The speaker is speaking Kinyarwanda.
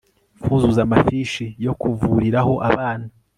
kuzuza amafishi yo kuvuriraho abana